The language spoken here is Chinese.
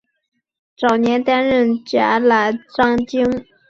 早年担任甲喇章京。